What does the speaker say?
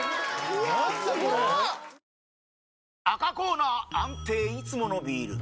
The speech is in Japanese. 赤コーナー安定いつものビール！